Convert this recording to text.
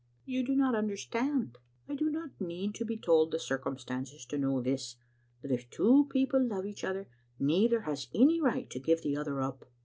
" You do not understand. "" I do not need to be told the circumstances to know this — that if two people love each other, neither has any right to give the other up."